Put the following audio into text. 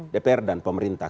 dpr dan pemerintah